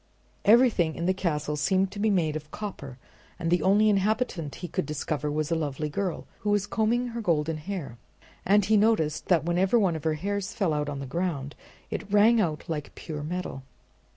Everything in the castle seemed to be made of copper, and the only inhabitant he could discover was a lovely girl, who was combing her golden hair; and he noticed that whenever one of her hairs fell on the ground it rang out like pure metal.